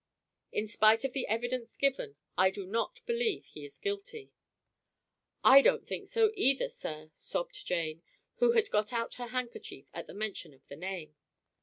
In spite of the evidence given, I do not believe he is guilty." "I don't think so either, sir," sobbed Jane, who had got out her handkerchief at the mention of the name.